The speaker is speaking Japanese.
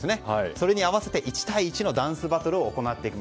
それに合わせて１対１のダンスバトルを行っていく。